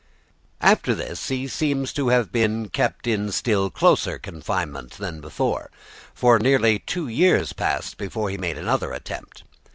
After this he seems to have been kept in still closer confinement than before, for nearly two years passed before he made another attempt.